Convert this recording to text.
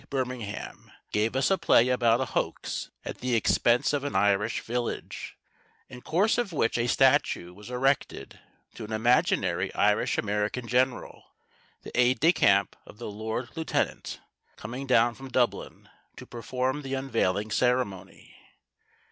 Birmingham gave us a play about a hoax at the expense of an Irish village, in course of which a statue was erected to an imaginary Irish American General, the aide de camp of the Lord Lieutenant coming down from Dublin to perform the unveiling ceremony.